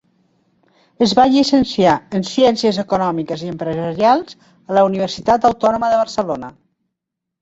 Es va llicenciar en ciències econòmiques i empresarials a la Universitat Autònoma de Barcelona.